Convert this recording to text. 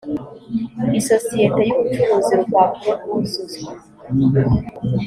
isosiyete y ubucuruzi urupapuro rwuzuzwa